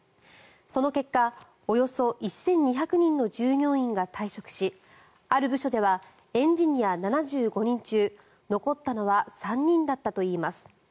その結果、およそ１２００人の従業員が退職しある部署ではエンジニア７５人中残ったのは３人だったといいます。